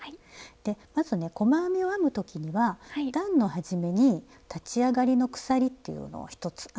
でまずね細編みを編む時には段の始めに立ち上がりの鎖っていうのを１つ編むんですけど。